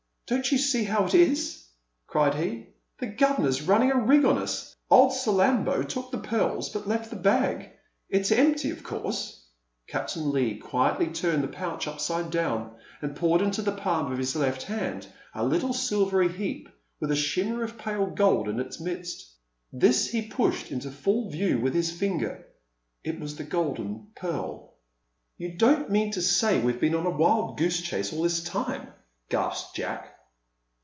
"Don't you see how it is?" cried he. "The governor's running a rig on us. Old Salambo took the pearls, but left the bag; it's empty, of course!" Captain Leigh quietly turned the pouch upside down, and poured into the palm of his left hand a little silvery heap with a shimmer of pale gold in its midst. This he pushed into full view with his finger. It was the Golden Pearl. "You don't mean to say we've been on a wild goose chase all this time?" gasped Jack.